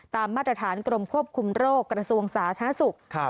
ตามมาตรฐานกรมควบคุมโรคกระทรวงศาสนสุข